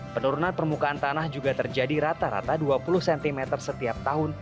penurunan permukaan tanah juga terjadi rata rata dua puluh cm setiap tahun